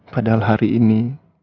padahal hari ini